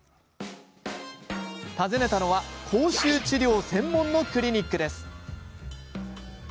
訪ねたのは口臭治療専門のクリニックです。